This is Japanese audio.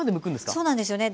そうなんですよね。